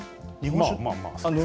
まあまあ。